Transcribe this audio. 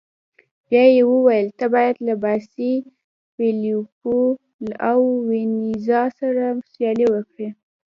بیا يې وویل: ته باید له باسي، فلیپو او وینسزنا سره سیالي وکړې.